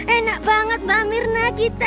enak banget mbak mirna kita